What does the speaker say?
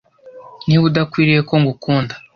Niba udakwiriye ko ngukunda